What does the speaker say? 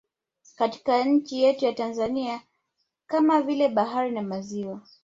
Katika nchi yetu ya Tanzania kama vile bahari na maziwa